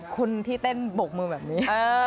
คุณที่เต้นบกมือแบบนี้